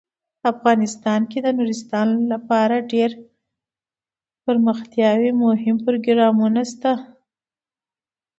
افغانستان کې د نورستان لپاره ډیر دپرمختیا مهم پروګرامونه شته دي.